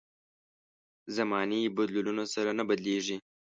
زمانې بدلونونو سره نه بدلېږي.